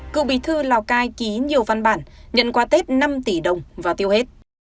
cựu bí thư lào cai ký nhiều văn bản nhận qua tết năm tỷ đồng và tiêu hết